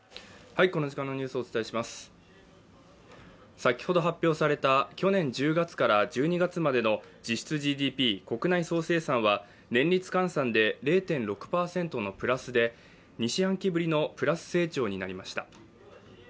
先ほど発表された去年１０月から１２月までの実質ＧＤＰ＝国内総生産は年率換算で０．６％のプラスで２四半期ぶりのプラス成長になりました。